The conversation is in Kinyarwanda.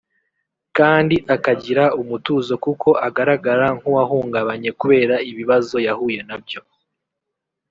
kandi akagira umutuzo kuko agaragara nk’uwahungabanye kubera ibibazo yahuye na byo